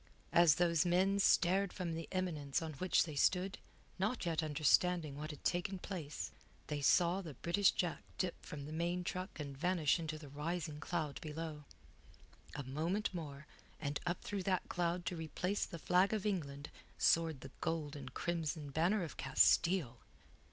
As those men stared from the eminence on which they stood, not yet understanding what had taken place, they saw the British Jack dip from the main truck and vanish into the rising cloud below. A moment more, and up through that cloud to replace the flag of England soared the gold and crimson banner of Castile.